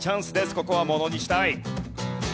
ここはものにしたい。